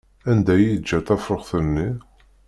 Anda i yeǧǧa tafṛuxt-nni?